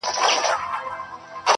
جنت د حورو دی، دوزخ د سيطانانو ځای دی.